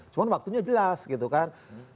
cuma waktunya jelas gitu kan